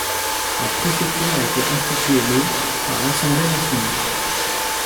La préfecture a été instituée le par l'assemblée nationale.